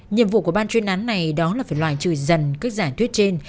nhiệm vụ của ban chuyên án này đó là phải loại trừ dần các giả thuyết trên